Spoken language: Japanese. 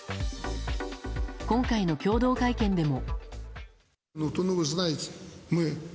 今回の共同会見でも。